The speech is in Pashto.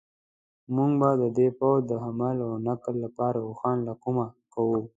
موږ به د دې پوځ د حمل و نقل لپاره اوښان له کومه کوو.